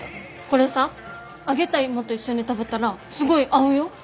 これさ揚げた芋と一緒に食べたらすごい合うよ？